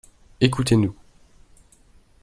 Écoutez-nous.